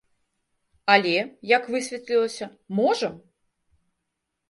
Але, як высветлілася, можам!